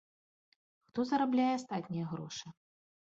Хто зарабляе астатнія грошы?